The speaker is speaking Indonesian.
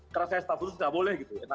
karena saya staf khusus nggak boleh gitu